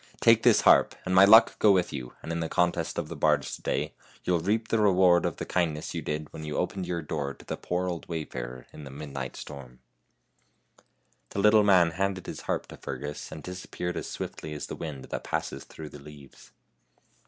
Take this harp, and my luck go with you, and in the contest of the bards to day you'll reap the reward of the kindness you did when you opened your door to the poor old wayfarer in the midnight storm." The little man handed his harp to Fergus and disappeared as swiftly as the wind that passes through the leaves.